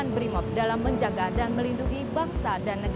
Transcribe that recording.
tempat akhir saya untuk matang